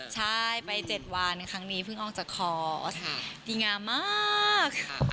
ใช่ไป๗วันครั้งนี้เพิ่งออกจากคอร์สดีงามมากค่ะ